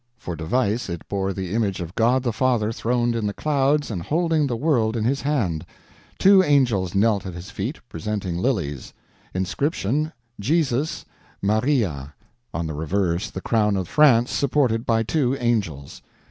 For device it bore the image of God the Father throned in the clouds and holding the world in His hand; two angels knelt at His feet, presenting lilies; inscription, JESUS, MARIA; on the reverse the crown of France supported by two angels.